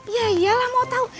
ya iyalah mau tahu